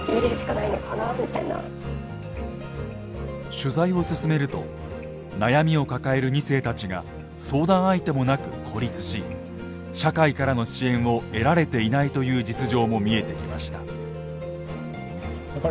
取材を進めると悩みを抱える２世たちが相談相手もなく孤立し社会からの支援を得られていないという実情も見えてきました。